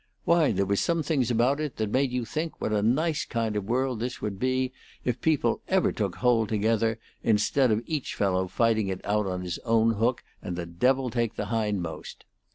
Why, there were some things about it that made you think what a nice kind of world this would be if people ever took hold together, instead of each fellow fighting it out on his own hook, and devil take the hindmost.